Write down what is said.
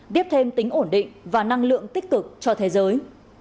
tiếp thêm tính ổn định và năng lượng tích cực cho thế giới